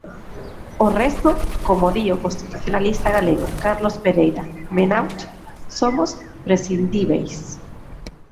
O resto, como di o constitucionalista galego Carlos Pereira Menaut, somos prescindíbeis.